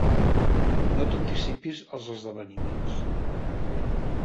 No t'anticipis als esdeveniments.